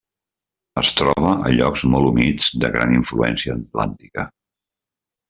Es troba a llocs molt humits de gran influència atlàntica.